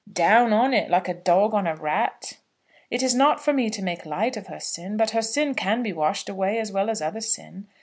"Down on it, like a dog on a rat." "It is not for me to make light of her sin; but her sin can be washed away as well as other sin.